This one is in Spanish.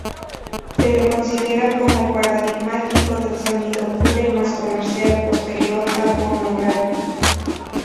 Se le considera como paradigmático del sonido Cure más comercial posterior a "Pornography".